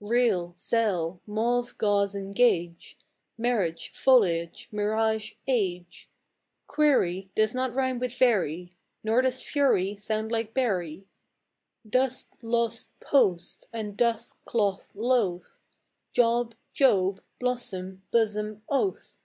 Real, zeal; mauve, gauze and gauge; Marriage, foliage, mirage, age. Query does not rime with very, Nor does fury sound like bury. Dost, lost, post and doth, cloth, loth; Job, Job, blossom, bosom, oath.